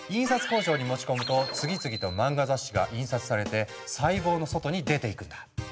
工場に持ち込むと次々と漫画雑誌が印刷されて細胞の外に出ていくんだ。